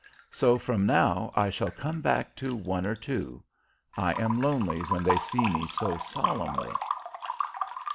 So from now I shall come back to one or two.... I am lonely when they see Me so solemnly."